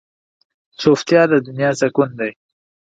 چوپتیا، د دنیا سکون دی.